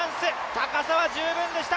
高さは十分でした。